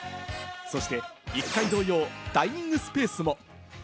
そして１階同様、ダイニングスペースも。